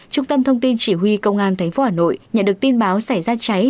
trung tâm thông tin chỉ huy công an thánh phố hà nội nhận được tin báo xảy ra cháy